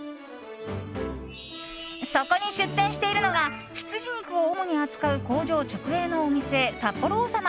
そこに出店しているのが羊肉を主に扱う工場直営のお店札幌王様。